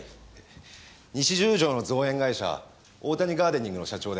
西十条の造園会社大谷ガーデニングの社長です。